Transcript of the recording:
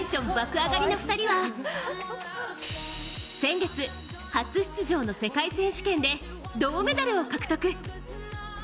上がりの２人は、先月、初出場の世界選手権で銅メダルを獲得。